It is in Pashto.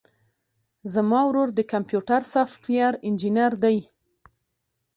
زما ورور د کمپيوټر سافټوېر انجينر دی.